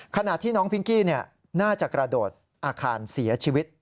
ขณะที่น้องพิงกี้น่าจะกระโดดอาคารเสียชีวิต